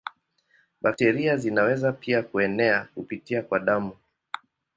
Bakteria zinaweza pia kuenea kupitia kwa damu.